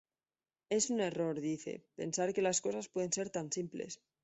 Es un error, dice, pensar que las cosas pueden ser tan simples.